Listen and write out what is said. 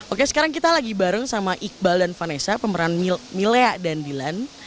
oke sekarang kita lagi bareng sama iqbal dan vanessa pemeran milea dan dilan